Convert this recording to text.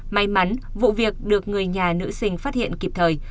may mắn vụ việc được người nhà nữ sinh phát hiện kịp thời